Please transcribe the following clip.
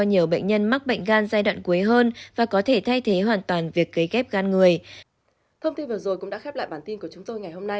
nhiều bệnh nhân mắc bệnh gan giai đoạn cuối hơn và có thể thay thế hoàn toàn việc kế ghép gan người